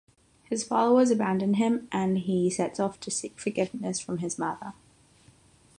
His followers abandon him, and he sets off to seek forgiveness from his mother.